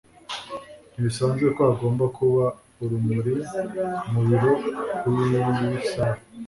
ntibisanzwe ko hagomba kuba urumuri mu biro kuriyi saha